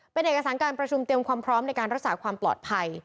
เป็นเอกสารการประชุมเตรียมความพร้อมในการรักษาความปลอดภัย